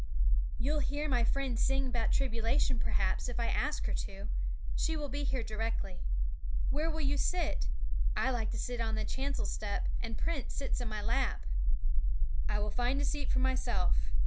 'You'll hear my friend sing about tribulation, p'raps, if I ask her to; she will be here directly. Where will you sit? I like to sit on the chancel step, and Prince sits in my lap.' 'I will find a seat for myself.